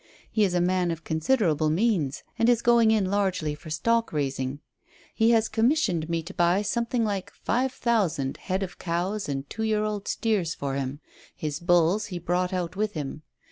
He is a man of considerable means, and is going in largely for stock raising. He has commissioned me to buy something like five thousand head of cows and two year old steers for him. His bulls he brought out with him.